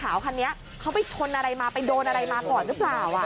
คันนี้เขาไปชนอะไรมาไปโดนอะไรมาก่อนหรือเปล่า